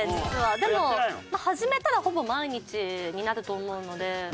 でもまあ始めたらほぼ毎日になると思うので。